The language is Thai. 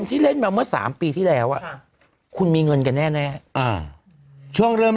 อึกอึกอึกอึกอึกอึกอึกอึก